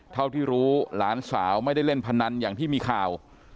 เท่าที่รู้หลานสาวไม่ได้เล่นพนันอย่างที่มีข่าว